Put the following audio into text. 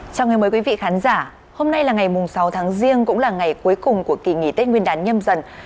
chào mừng quý vị khán giả hôm nay là ngày sáu tháng riêng cũng là ngày cuối cùng của kỳ nghỉ tết nguyên đán nhâm dần